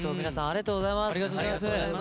ありがとうございます。